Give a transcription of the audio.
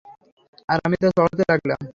আর আমি তা চড়াতে লাগলাম।